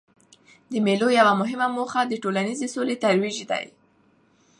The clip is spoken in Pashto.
د مېلو یوه مهمه موخه د ټولنیزي سولې ترویج دئ.